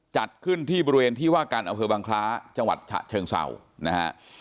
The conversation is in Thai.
จัดขึ้นที่บริเวณที่ว่าการอำเภอบังคล้าจังหวัดฉะเชิงเศร้านะฮะ